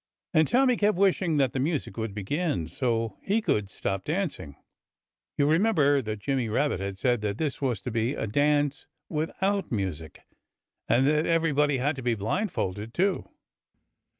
And Tommy kept wishing that the music would begin, so he could stop dancing. You remember that Jimmy Rabbit had said that this was to be a dance without music, and that everybody had to be blindfolded, too.